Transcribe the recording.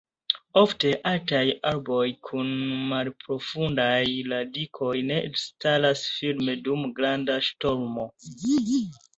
Ofte altaj arboj kun malprofundaj radikoj ne staras firme dum granda ŝtormo.